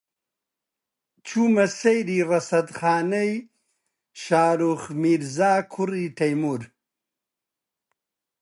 چوومە سەیری ڕەسەدخانەی شاروخ میرزا، کوڕی تەیموور